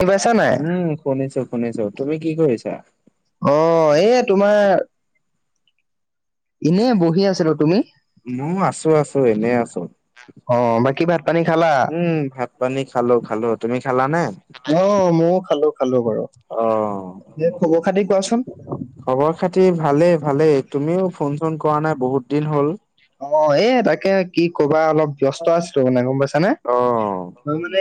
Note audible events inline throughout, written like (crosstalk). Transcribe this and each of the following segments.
শুনি পাইছা নাই? উম, শুনিছোঁ-শুনিছোঁ তুমি কি কৰিছা? অ', এই তোমাৰ এনে বহি আছিলোঁ তুমি, ময়ো আছো আছো এনে আছো। অ' বাকী ভাত পানী খালা? উম, ভাত পানী খালো-খালো, তুমি খালা নে? অ', মইও খালো-খালো বাৰু, অ এতিয়া খবৰ খাতি কোৱাচোন। খবৰ খাতি ভালেই-ভালেই তুমিও ফোন চোন কৰা নাই বহুত দিন হ'ল। অ', এই তাকে কি কবা অলপ ব্যস্ত আছিলোঁ মানে গম পাইছানে। অ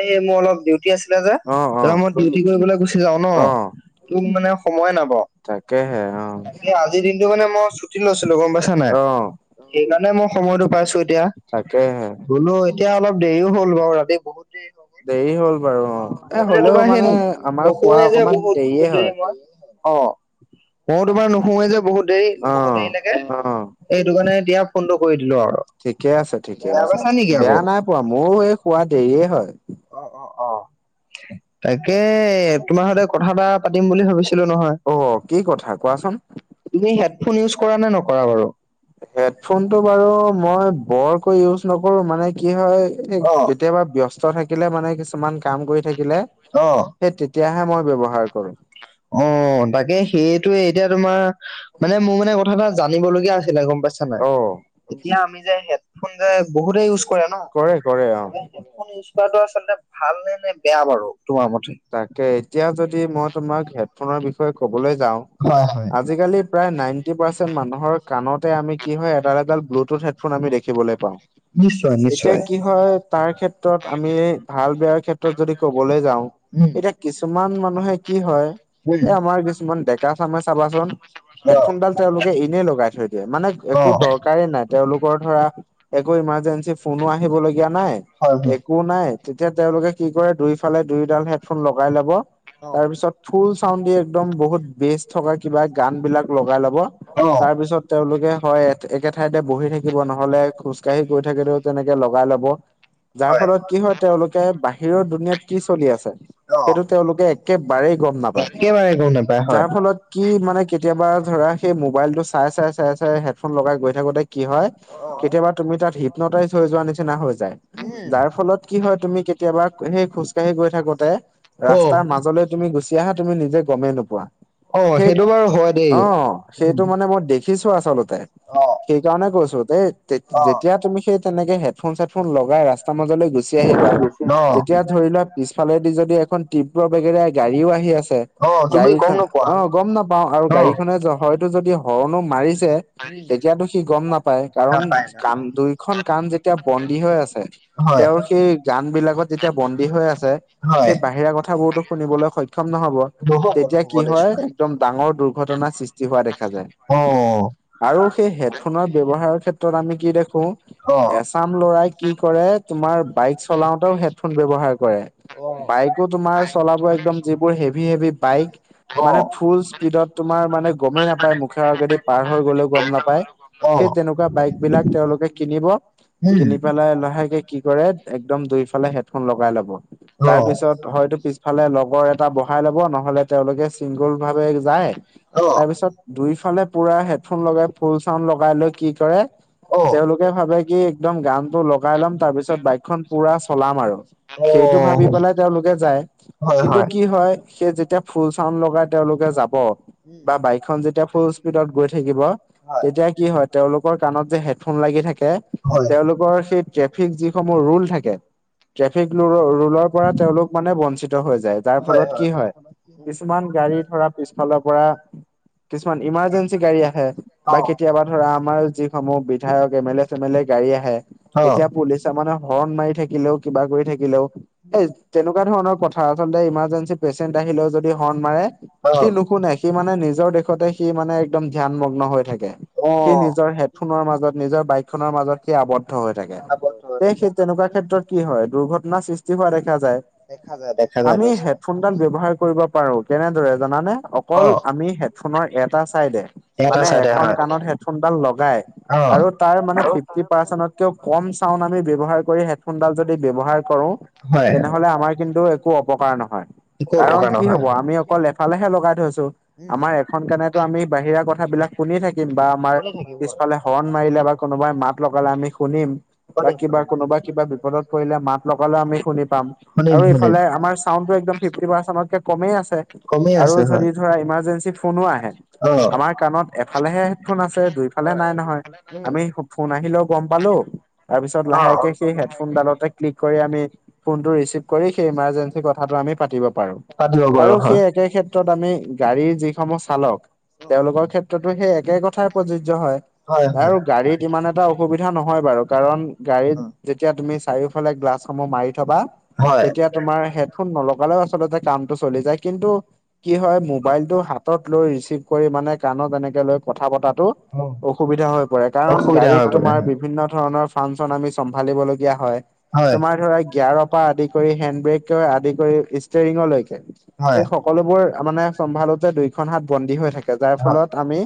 এই মোৰ অলপ ডিউটি আছিলে যে অ অ মই ডিউটি কৰিবলৈ গুচি যাওঁ অ ন'। তোৰ মানে সময়ে নাপাওঁ, তাকেহে অ তাকে আজিৰ দিনটো মানে মই ছুটি লৈছিলোঁ গম পাইছা নাই। অ' সেইকাৰণে মই সময়তো পাইছোঁ এতিয়া তাকেহে বোলো এতিয়া অলপ দেৰিও হ'ল বাৰু ৰাতি বহুত দেৰি দেৰি বাৰু হ'ল। অ' এ মই মানে হ'লেও তোমাৰ সেই আমাৰ খোৱা নুশুৱে যে অকমান দেৰিয়ে বহুত-বহুত দেৰি হয় মই। অ' ময়ো তোমাৰ নুশুৱেই যে বহুত দেৰি অ বহুত দেৰিলৈকে অ এইটো কাৰণে এতিয়া ফোনটো কৰি দিলোঁ আৰু ঠিকে আছে ঠিকে বেয়া আছে পাইছা নেকি আকৌ? বেয়া নাই পোৱা ময়ো এই শুৱা দেৰিয়ে হয়। অ'-অ'অ' তাকে তোমাৰ সৈতে কথা এটা পাতিম বুলি ভাবিছিলোঁ নহয়। অ' কি কথা কোৱাচোন। তুমি হেডফোন ইউজ কৰা নে নকৰা বাৰু? হেডফোনটো বাৰু মই বৰকৈ ইউজ নকৰোঁ মানে কি হয় অ', কেতিয়াবা ব্যস্ত থাকিলে মানে কিছুমান কাম কৰি থাকিলে, অ সেই তেতিয়াহে মই ব্যৱহাৰ কৰোঁ। অ' তাকে সেইটো এতিয়া তোমাৰ মানে মোৰ মানে কথা এটা জানিবলগীয়া আছিলে গম পাইছা নাই। অ এতিয়া আমি যে হেডফোন যে বহুতে ইউজ কৰে কৰে অ ন' হেডফোন ইউজ কৰাতো আচলতে ভাল নে নে বেয়া বাৰু তোমাৰ মতে? তাকে এতিয়া যদি মই তোমাক হেডফোনৰ বিষয়ে কবলৈ যাওঁ হয় হয় আজিকালি- প্ৰায় নাইনটি পাৰ্চেণ্ট মানুহৰ কাণতে আমি কি হয় এডাল এডাল ব্লুটুথ হেডফোন আমি দেখিবলৈ পাওঁ। নিশ্চয় এতিয়া নিশ্চয় কি হয় তাৰ ক্ষেত্ৰত আমি ভাল বেয়াৰ ক্ষেত্ৰত যদি কবলৈ যাওঁ, উম এতিয়া কিছুমান মানুহে কি হয় উম এই আমাৰ কিছুমান ডেকা চামে চাবাচোন, অ হেডফোনডাল তেওঁলোকে এনেই লগাই থৈ দিয়ে মানে অ একো দৰকাৰেই নাই। তেওঁলোকৰ ধৰা একো ইমাৰ্জেঞ্চি ফোনো আহিব লগীয়া নাই হয় হয় একো নাই তেতিয়া তেওঁলোকে কি কৰে দুইফালে দুইডাল হেডফোন লগাই লব অ তাৰ পিছত ফুল চাউণ্ড একদম বহুত বেষ্ট থকা কিবা গান বিলাক লগাই ল'ব অ তাৰপিছত তেওঁলোকে হয় একে ঠাইতে বহি থাকিব নহলে খোজ কাঢ়ি গৈ থাকেলেও তেনেকে লগাই লব যাৰ হয় ফলত কি হয় তেওঁলোকে বাহিৰৰ দুুনিয়াত কি চলি আছে অ সেইটো তেওঁলোকে একেবাৰেই গম নাপায় একেবাৰে গম নাপায় হয় যাৰ ফলত কি মানে কেতিয়াবা ধৰা সেই মোবাইল টো চাই চাই চাই চাই হেডফোন লগাই গৈ থাকোতে কি হয় অ কেতিয়াবা তুমি তাত হিপনটাইজ হৈ যোৱা নিচিনা হৈ যায়। উম যাৰ ফলত কি হয় তুমি কেতিয়াবা সেই খোজকাঢ়ি গৈ থাকোতে - অ ৰাস্তাৰ মাজলৈ তুমি গুচি আহা তুমি নিজে গমেই নোপোৱা। অ সেই সেইটো বাৰু হয় দেই অ উম সেইটো মানে মই দে দেখিছোঁ আচলতে অ সেইকাৰণে কৈছোঁ এই অ যেতিয়া তুমি সেই তেনেকে হ হেডফোন চেডফোন লগাই ৰাস্তাৰ মাজলৈ গুছি আহিবা অ তেতিয়া ধৰি লোৱা পিছালেদি যদি খন তীব্ৰ বেগেৰ গাড়ীও আহি আছে অ তুমি গাড়ী গম খন নোপোৱা অ গম নাপাও আৰু অ গাড়ীখনে হয় টো যদি হৰণো মাৰিছে তেতিয়াতো সি গম নাপায় কাৰণ নাপায় কাম নাপায় দুইখন কাম যেতিয়া বন্দী হৈ আছে হয় তেওঁৰ সেই গান বিলাকত যেতিয়া বন্দী হৈ আছে হয় সেই বাহিৰা কথাবোৰতো শুনিবলৈ সম সক্ষম নহব নহ'ব তেতিয়া নহ'ব কি হয় নিশ্চয় একদম ডাঙৰ দুৰ্ঘটনাৰ সৃষ্টি হোৱা দেখা যায়। অ আৰু সেই হেডফোনৰ ব্যৱহাৰৰ ক্ষেত্ৰত আমি কি দেখো অ'। অ'। এচাম লৰাই কি কৰে তোমাৰ বাইক চলাওতেও হেডফোন ব্যৱহাৰ কৰে। বাইকো তোমাৰ চলাব একদম যিবোৰ হেভি হেভি বাইক অ', মানে ফুল উম, স্পীডত তোমাৰ মানে গমেই অ', নাপায় মুখে আগেদি পাৰ হৈ গ'লেও গম নাপায় সেই তেনেকুৱা বাইক বিলাক তেওঁলোকে কিনিব কিনি পেলাই লাহেকে কি কৰে একদম দুইফালে হেডফোন লগাই ল'ব তাৰ পিছত হয়তটো পিছফালে লগৰ এটা বহাই লব নহলে তেওঁলোকে চিংগল ভাবে যায় অ', অ'। তাৰ পিছত দুইফালে পুৰা হেডফোন লগাই ফুল চাউণ্ড লগাই লৈ কি কৰে, তেওঁলোকে ভাবে কি একদম গানটো লগাই ল'ম তাৰপিছত বাইকখন পুৰা চলাম আৰু সেইটো অঁ ভাবি পেলাই তেওঁলোকে যায় কিন্তু কি হয় সেই যেতিয়া ফুল চাউন লগাই তেওঁলোকে যাব বা বাইকখন যেতিয়া ফুল স্পীডত গৈ থাকিব হয়, তেতিয়া কি হয় তেওঁলোকৰ কাণত যে হেডফোন লাগি থাকে হয়, তেওঁলোকৰ সেই ট্ৰেফিক যিসমূহ ৰুল থাকে ট্ৰেফিক ৰুলৰ তেওঁলোক মানে বঞ্চিত হৈ যায় যাৰ ফলত কি হয় কিছুমান গাড়ী ধৰা পিছফালৰ পৰা, কিছুমান ইমাৰজেঞ্চি গাড়ী আহে, বাইক কেতিয়াবা ধৰা আমাৰ যিসমূহ বিধায়ক এমেলে চেমেলে গাড়ী আহে, অ', তেতিয়া পুলিচ তাৰ মানে হৰণ মাৰি থাকিলেও কিবা কৰি থাকিলেও। এই তেনেকুৱা ধৰণৰ কথা আচলতে ইমাৰজেঞ্চি পেচেন্ট আহিলেও যদি হৰ্ণ মাৰে সি নুশুনে সি মানে নিজৰ দেশতে সি মানে একদম ধ্যানমগ্ন হৈ থাকে। অ', সেই অ'। নিজৰ হেডফোনৰ মাজত নিজৰ বাইক (unintelligible) মাজতে আৱদ্ধ হৈ থাকে, তে সেই তেনেকুৱা ক্ষেত্ৰত কি হয়, দুৰ্ঘটনা সৃষ (unintelligible) দেখা যায়, দেখা যায়, দেখা যায় আমি নিশ্চয়, হেডফোনডাল ব্যৱহাৰ কৰিব পাৰো, কেনেদৰে জানানে? অকল অ', আমি হেডফোনৰ এটা চাইডে, এটা মানে চাইডে এখন কাণত হয়। হেডফোনডাল লগাই অ', আৰু তাৰ মানে ফি ফি পাৰ্চেন্তও কম চাউণ্ড আমি ব্যৱহাৰ কৰি হেডফোনডাল যদি ব্যৱহাৰ কৰো হয়, তেনেহ'লে আমাৰ কিন্তু একো অপকাৰ নহয়, একো কাৰণ অপকাৰ কি নহয়। হব আমি অকল এ সেইফালেহে লগাই থৈছো, উম, আমাৰ এখন কাণেতো আমি বাহিৰা কথা বিলাক শুনি থাকিম বা আমাৰ, শুনি থাকিব হয়, পিছফালে হৰণ মাৰিলে বা কোনোবাই মাত লগালে আমি শুনিম। বা শুনিম কিবা শুনিম। কোনোবা কিবা বিপদত পৰিলে মাত লগালে আমি শুনি পাম, শুনিম আৰু শুনিম, ইফালে আমাৰ চাইউণ্ডটো ফিফটি পাৰ্চেন্ততকে কম আছে। কমেই আৰু আছে হয়, যদি ধৰা ইমাৰ্জেঞ্চি ফ'নো আহে। অ'। আমাৰ কাণত এফালেহে হেডফোন আছে দুইফালে হয়, নাই নহয়, উম, আমি ফোন আহিলেও গম পালো। তাৰপিছত লাহেকে সেই তাৰপিছত লাহেক হেডফোনডালতে ক্লিক কৰি আমি ফোনতো ৰিচিভ কৰি সেই ইমাৰজেঞ্চি কথাটো আমি পাতিব পাৰো পাতিব আৰু পাৰো হয়, সেই একে ক্ষেত্ৰত আমি গাড়ীৰ যিসমূহ চালক, তেওঁলোকৰ ক্ষেত্ৰতো সেই একে কথাত প্ৰযোজ্য হয়, আৰু গাড়ীত ইমান এটা অসুবিধা নহয় বাৰু কাৰণ, গাড়ীত, যেতিয়া তুমি চাৰিওফালে গ্লাছসমূহ মাৰি থবা, হয়, তেতিয়া তোমাৰ হেডফোন নলগালেও আচলতে কামটো চলি যায় কিন্তু কি হয় মোবাইলটো হাতত লৈ ৰিচিভ কৰি মানে কাণত এনেকে লৈ কথা পতাটো অসুবিধা হৈ পৰে কাৰণ অসুবিধা গাড়ীত হয় বোলে তোমাৰ বিভিন্ন ধৰণৰ ফাংচন আমি চম্ভালিবলগীয়া হয়, হয়, তোমাৰ ধৰা তাৰৰ পৰা আদি কৰি হেণ্ড ব্ৰেক আদি কৰি ষ্টেৰিঙলৈকে। হয় হয়। এই সকলোবোৰ মানে চম্ভালোতে দুইখন হাত বন্দী হৈ থাকে, যাৰ ফলত আমি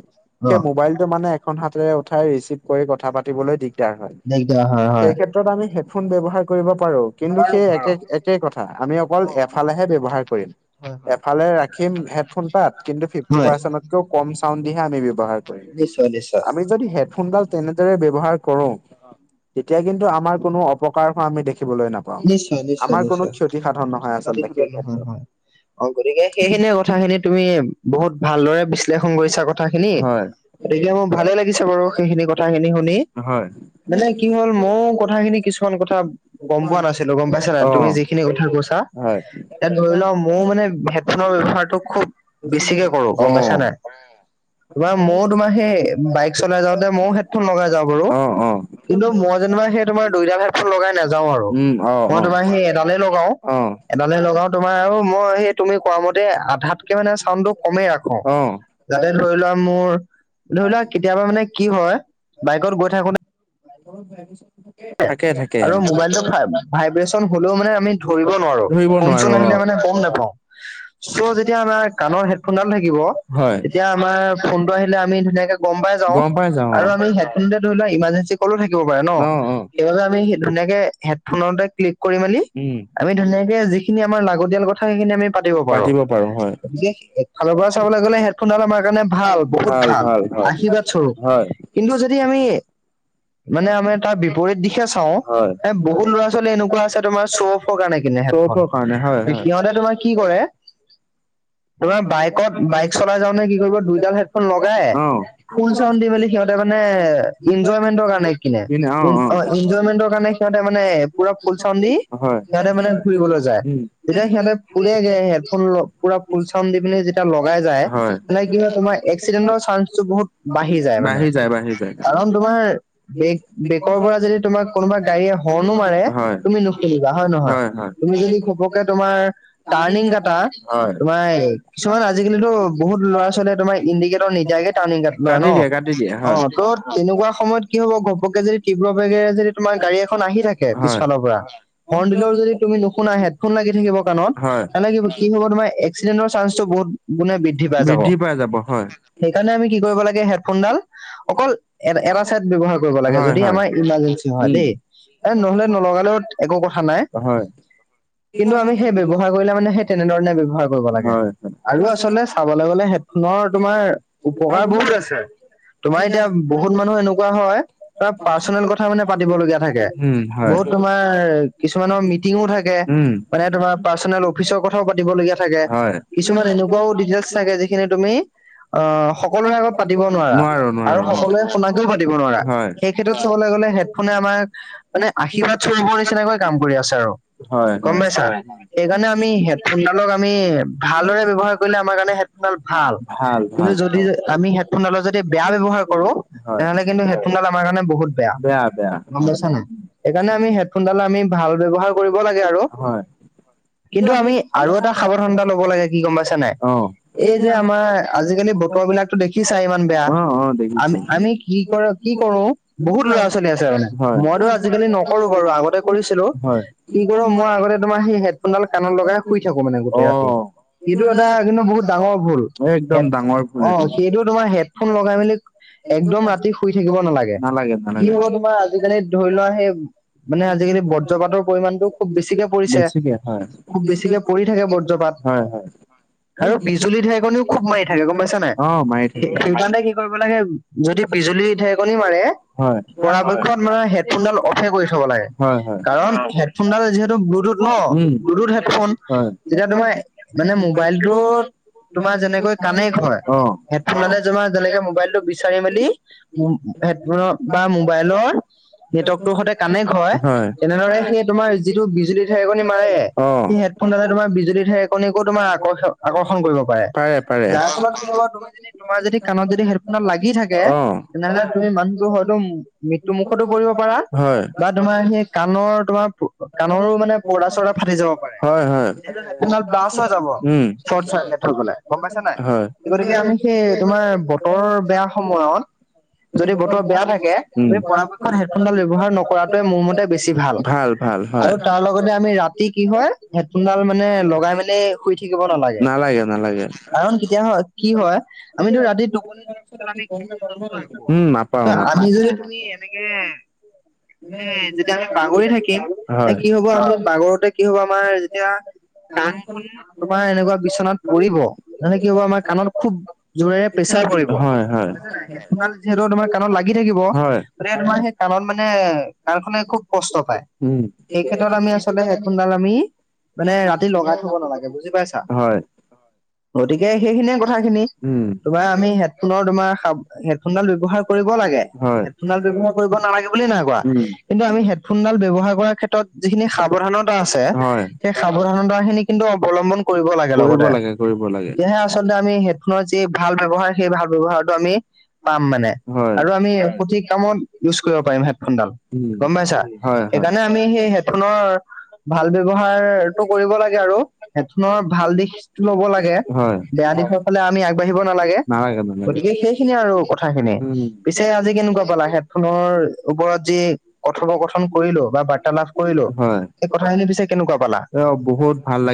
সেই অ', মোবাইলটো মানে এখন হাতৰে উঠাই ৰিচিভ কৰি কথা পাতিবলৈ দিকদাৰ হয়, দিগদাৰ হয় হয়। সেই ক্ষে ত্ৰত আমি হেডফোন ব্যৱহাৰ কৰিব পাৰো। কিন্তু পাৰো সেই পাৰো, একে-একে কথা আমি অকল অ', আমি এফালেহে ব্যৱহাৰ কৰিম। হয় হয়। এফালে ৰাখিম হেডফোন পাত কিন্তু ফিফটি হয়, পাৰ্চেন্টতকেও কম চাউণ্ড দি হে আমি ব্যৱহাৰ নিশ্চয় নিশ্চয়, আমি যদি হেডফোনডাল তেনেদৰে ব্যৱহাৰৰ কৰো, তেতিয়া কিন্তু আমাৰ কোনো অপকাৰ হোৱা আমি দেখিবলৈ না নিশ্চয়, নিশ্চয়, নিশ্চয়, আচলতে সেই ক্ষেত্ৰত (unintelligible) অ', গতিকে সেইখিনিয়ে কথাখিনি তুমি বহুত ভালদৰে বিশ্লেষণ কৰিছা ক থাখিনি, হয় গতিকে মোৰ ভালে লাগিছে বাৰু সেইখিনি কথাখিনি শুনি। হয় মানে কি হ'ল মইও কথাখিনি কিছুমান কথা গম পোৱা নাছিলো গম পাইছা নাই তুমি অঁ যিখিনি কথা কৈছা। হয় এতিয়া ধৰি লও মোৰ মানে হেডফোনৰ ব্যৱহাৰটো খুব বেছিকে কৰো, গম অঁ পাইছা নাই? তোমাৰ মইও তোমাৰ সেই বাইক চলাই যাওঁতে মইও হেডফোন লগাই যাওঁ বাৰু। অঁ অঁ কিন্তু মই যেনিবা সেই তোমাৰ দুইডাল হেডফোন লগাই নাযাও আৰু, উম অঁ মই অঁ তোমাৰ সেই এডালেই লগাও। অঁ এডালে লগাও তোমাৰ আৰু মই সেই তুমি কোৱা মতে আধাত তাতকে মানে ছাউণ্ডটো মানে কমেই ৰাখো, অঁ যাতে ধৰি লোৱা মোৰ, ধৰি লোৱা কেতিয়াবা মানে কি হয়, বাইকত গৈ থাকোতে (unintelligible) থাকে আৰু অ', মোবাইলতৰ ভাইব-ভাইব্ৰেচন হলেও মানে আমি ধৰিব নোৱাৰো, ধৰিব নোৱাৰো ফোন-চোন অঁ আহিলে মানে গ'ম না চ' যেতিয়া আমাৰ কাণৰ হেডফোনডাল থাকিব। হয়। তেতিয়া আমাৰ ফোনটো আহিলে আমি ধুনীয়াকে গম পাই যাওঁ গম পাই যাওঁ আৰু আমি হেড ন্তে ধৰি লোৱা ইমাৰ্জেঞ্চি কলো থাকিব পাৰে ন? অ অ অ সেইবাবে আমি ধুনীয়াকে হেডফোনতে ক্লিক কৰি মেলি উম, আমি ধুনীয়াকে যিখিনি আমাৰ লাগতিয়াল ক কথা সেইখিনি আমি পাতিব পাৰো, গতিকে, এক ফালৰ পৰা চাবলৈ গলে হেডফোনডাল আমাৰ কাৰণে ভাল, বহুত ভাল, আশীৰ্বাদ স্বৰূপ। হয় কিন্তু যদি আমি মানে আমি তাৰ বিপৰীত দিশে চাও হয় এ বহুত ল'ৰা ৱালী এনেকুৱা আছে তোমাৰ শ্ব' অফৰ কাৰণে কিনে হেডফন চৌফৰ কাৰণে হয় হয়। সিহতে তোমাৰ কি কৰে তোমাৰ বাইকত বাইক চলাই যাওতে কি কৰিব দুইডাল হেড ফোন লগাই অ ফুল চাউন দি মেলি সিহঁতে মানে ইনজয়মেন্টৰ কাৰণে কিনে, অ ইনজয়মেন্টৰ কাৰণে সিহঁতে মানে পুৰা ফুল চাউন দি অ হয় সিহঁতে মানে ফুৰিবলে যায়। উম তেতিয়া সিহতে ফুৰে গে সিহত পুৰা ফুল চাউণ্ড দি পিনে যেতিয়া লগাই যায় হয়। মানে কি হয় তোমাৰ এক্সিডেন্টৰ চান্সটো বহুত বাঢ়ি যায় মানে কাৰণ তোমাৰ বেগ বেকৰ পৰা যদি তোমাক কোনোবা গাড়ীয়ে হৰ্ণো মাৰে হয় তুমি নুশুনিবা হয় নহয়, তুমি যদি খোপকে তোমাৰ টাৰ্ণিং কাটা হয়। তোমাৰ কিছুমান আজিকালিতো বহুত ল'ৰা-ছোৱালীয়ে তোমাৰ ইণ্ডিকেটৰ নিদিয়াকে টাৰ্নিং গাত লয় ন কাটি দিয়ে কাটি দিয়ে অ হয়। তো তেনেকুৱা সময়ত কি হব ঘপকে যদি তীব্ৰ বেগেৰে যদি তোমাৰ গাড়ী এখন আহি থাকে হয় পিছফালৰ পৰা হৰ্ণ দিলেও যদি তুমি নুশুনা হেডফোন লাগি থাকিব কাণত হয়। তেনে কি কি হব তোমাৰ এক এক্সিডেণ্টৰ চান্সটো বহুত গুণে বৃদ্ধি পাই যাব। সেইকাৰণে আমি কি কৰিব লাগে হেডফোনডাল অকল এটা এটা চাইড ব্যৱহাৰ কৰিব লাগে। হয় যদি হয় আমাৰ ইমাৰ্জেঞ্চি নহয় উম দেই এ নহলে নলগালেও একো কথা নাই হয় কিন্তু আমি সেই ব্যৱহাৰ কৰিলে মানে সে তেনেধৰণে ব্যৱহাৰ কৰিব লাগে হয়। আৰু আচলতে চাবলে গলে হেডফোনৰ তোমাৰ উপকাৰ বহুত আছে। তোমাৰ এতিয়া বহুত মানুহ এনেকুৱা হয় তাৰ পাৰ্চনেল কথা মানে। পাতিব লগীয়া থাকে উম, হয়। বহুত তোমাৰ কিছুমানৰ মিটিঙো থাকে। উম। মানে তোমাৰ পাৰ্চনেল অফিচৰ কথাও পাতিবলগীয়া থাকে হয়, কিছুমান এনেকুৱাও দিটেলচ চাগে যিখিনি তুমি অ সকলোৰে আগত পাতিব নোৱাৰা নোৱাৰো আৰু নোৱাৰো অ'। সকলোৱে শুনাকেও পাতি দিব নোৱাৰা। হয়। হেতোত চাবলে গ'লে হেডফোনে আমাৰ মানে আশীৰ্বাদ চৰোপৰ নিচিনাকৈ কাম কৰি আছে আৰু হয়, গম হয়। পাইছা। সেইকাৰণে আমি হেডফোনডালক আমি ভালদৰে ব্যৱহাৰ কৰিলে আমাৰ কাৰণে হেড ডাল ভাল কিন্তু ভাল যদি ভাল আমি হেডফোনডালৰ যদি বেয়া ব্যৱহাৰ কৰো, হয়, তেনেহ'লে কিন্তু হেডফোনডাল আমাৰ কাৰণে বহুত বেয়া বেয়া গম হয়। পাইছা নাই। সেইকাৰণে আমি হেডফোনডাল আমি ভাল ব্যৱহাৰ কৰিব লাগে আৰু হয়, কিন্তু আমি আৰু এটা সাৱধানতা লব লাগে কি গম পাইছ নাই এই যে আমাৰ আজিকালি ব ত বিলাকো দেখিছাই ইমান বেয়া আমি আমি কি কৰে কি কৰো বহুত ল'ৰা ছোৱালী আছে মানে হয়। মইতো আজিকালি নকৰো বাৰু আগতে কৰিছিলো। হয়, কি কৰো মই আগতে তোমাৰ সেই হেডফোনডাল কাণত লগাই শুই থাকো মানে গোটেই ৰাতি। অ', এইটো এটা কিন্তু বহুত ডাঙৰ ভুল। এই একদম হেড ডাঙৰ ভুল অ সেইটো তোমাৰ হেডফোন লগাই মেলি একদম। ৰাতি শুই থাকিব নালাগে কি হ'ব তোমাৰ আজিকালি ধৰি লোৱা সে মানে আজিকালি বজ্ৰপাতৰ পৰিমাণটো খুব বেছিকে পৰিছে। বেছিকে হয় খুব বেছিকে পৰি থাকে বজ্ৰপাত। হয় হয় আৰু বিজুলী ঢেৰেকণিও খুব মাৰি থাকে গম পাইছা নাই অ মাৰি সে থাকে। সেইকাৰণে কি কৰিব লাগে। যদি বিজুলী ধে ঢেৰেকনি মাৰে হয় পৰাপক্ষত মানে হেডফোনডাল অফে কৰি থ'ব লাগে হয় হয় কাৰণ হেডফোনডালে যিহেতু ব্লুটুড ন উম ব্লুটুড হেডফোন হয় তেতিয়া তোমাৰ মানে মোবাইলটোত তোমাৰ যেনেকৈ কানেক্ট হয় অ। হেডফোনতে তোমাৰ যেনেকে মোবাইলটো বিচাৰি মেলি। হেডফোনত বা মোবাইলৰ। নেটৱৰ্কটো সৈতে কানেক্ট হয় তেনেদৰে সেই তোমাৰ যিটো বিজুলী। ঢেৰেকনি মাৰে অ'। সেই হেডফোনডালে তোমাৰ বিজুলী ঢেৰেকনিকো তোমাৰ আ আকৰ্ষণ কৰিব পাৰে। যাৰ ফলত কিহব তুমি যদি তোমাৰ যদি কাণত যদি হেডফোন ডাল লাগি থাকে। অ'। তেনেহলে তুমি মানুহটো হয়তো মৃত্যু মুখতো পৰিব পাৰা। হয়, তোমাৰ সেই কাণৰ তোমাৰ কাণৰো মানে। পৰ্দা চৰ্দা ফাটি যাব পাৰে হয় হয়। তাৰ ব্লাচ হৈ যাব উম। শৰ্ট চাৰ্কিট হ'লে। গম পাইছা নাই হয়, গতিকে আমি সেই তোমাৰ বতৰৰ বেয়া সময়ত। যদি বতৰ বেয়া থাকে উম। আমি পৰাপক্ষত হেডফোনডাল ব্যৱহাৰ নকৰাটোৱে মোৰ মতে বেছি ভাল। ভাল হয়। আৰু তাৰ লগতে আমি ৰাতি কি হয় হেডফোনডাল মানে লগাই মেলি শুই থাকিব নালাগে। কাৰণ কেতিয়া হয় কি হয় আমিতো ৰাতি টোপনি যোৱাৰ উম, নাপাওঁ পিছত আমি। নাপাওঁ। আজি যদি তুমি এনেকে। এ যেতিয়া আমি পাহৰি থাকিম তেতিয়া কি হব আৰু। বাগৰোতে কি হব আমাৰ যেতিয়া কাণ খন। তোমাৰ এনেকুৱা বিচনাত পৰিব নহলে কি হব আমাৰ কাণত খুব জোৰেৰে প্ৰেছাৰ পৰিব। হয় হয়। হেডফোনডাল যিহেতু তোমাৰ কাণত লাগি থাকিব। হয়, তেতিয়া তোমাৰ সেই কাণত মানে কাণখনে খুব কষ্ট পায়। সেই এইটো ক্ষেত্ৰত আমি তথাপিও হেডফোনডাল আমি মানে ৰাতি লগাই থব নালাগে বুজি পাইছা। হয়, গতিকে সেইখিনিয়ে কথাখিনি উম, তোমাৰ আমি হেডফোনৰ তোমাৰ হ। হেডফোনডাল ব্যৱহাৰ কৰিব লাগে হয়, হেডফোনডাল ব্যৱহাৰ কৰিব নালাগে বুলি নাই কোৱা। উম। কিন্তু আমি হেডফোনডাল ব্যৱহাৰ কৰাৰ ক্ষেত্ৰত যিখিনি সাৱধানতা আছে। হয়, সেই সাৱধানতা খিনি কিন্তু অৱলম্বন কৰিব লাগে লগতে। কৰিব লাগে। তেতিয়াহে আচলতে আমি হেডফোনৰ যি ভাল ব্যৱহাৰ সেই ভাল ব্যৱহাৰতো আমি। পাম মানে হয়। আৰু আমি প্ৰতি কামত ইউজ কৰিব পাৰিম হেডফোনডাল। উম, গম পাইছা হয় হয়। সেইকাৰণে আমি সেই হেডফোনৰ। ভাল ব্যৱহাৰটো কৰিব লাগে আৰু হেডফোনৰ ভাল দিশটো লব লাগে। হয়, বেয়া দিশৰ ফালে আমি আগবাঢ়িব নালাগে গতিকে সেইখিনিয়ে আৰু কথা খিনি। উম। পিছে আজি কেনেকুৱা পালা হেডফোনৰ ওপৰত যি। কথোপকথন কৰিলো বা বাৰ্তালাপ কৰিলো হয়, এই কথাখিনি পিছে কেনেকুৱা পালা? অ বহুত ভাল লাগিল।